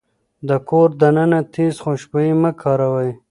د کور دننه تيز خوشبويي مه کاروئ.